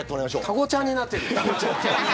たごちゃんになってる。